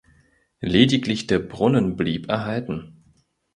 Lediglich der Brunnen blieb erhalten.